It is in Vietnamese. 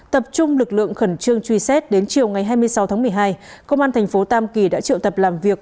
tập trung lực lượng khẩn trương truy xét đến chiều ngày hai mươi sáu tháng một mươi hai công an thành phố tam kỳ đã triệu tập làm việc